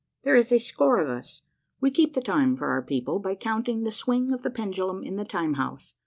There is a score of us. We keep the time for our people by counting the swing of the pendulum in the Time House.